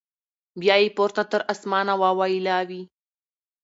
بیا یې پورته تر اسمانه واویلا وي